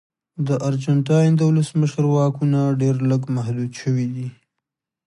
د ارجنټاین د ولسمشر واکونه ډېر لږ محدود شوي دي.